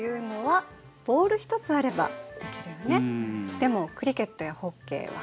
でもクリケットやホッケーは。